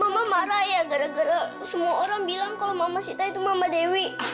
mama marah ya gara gara semua orang bilang kalau mama sita itu mama dewi